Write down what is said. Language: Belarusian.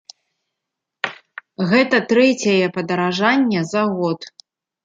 Гэта трэцяе падаражанне за год.